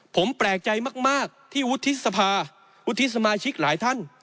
ผมแปลกใจมากที่วุฒิสภาวุฒิสมาชิกหลายท่าน